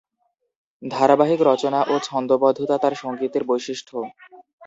ধারাবাহিক রচনা ও ছন্দোবদ্ধতা তাঁর সঙ্গীতের বৈশিষ্ট্য।